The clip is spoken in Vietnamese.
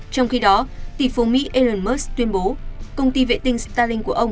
trong khi đó tỷ phú mỹ elon musk tuyên bố công ty vệ tinh starlink